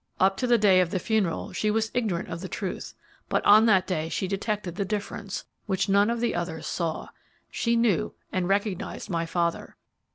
"Up to the day of the funeral, she was ignorant of the truth, but on that day she detected the difference, which none of the others saw. She knew and recognized my father."